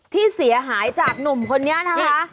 ที่เสียหายจากหนุ่มคนนี้นะคะ